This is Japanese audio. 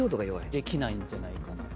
できないんじゃないかな。